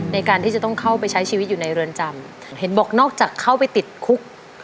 ในการที่จะต้องเข้าไปใช้ชีวิตอยู่ในเรือนจำเห็นบอกนอกจากเข้าไปติดคุก